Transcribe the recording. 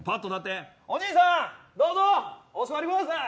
おじいさん、どうぞお座りください。